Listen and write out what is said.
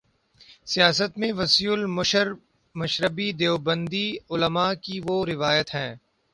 سیاست میں وسیع المشربی دیوبندی علما کی وہ روایت ہے۔